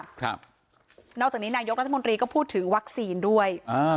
ครับนอกจากนี้นายกรัฐมนตรีก็พูดถึงวัคซีนด้วยอ่า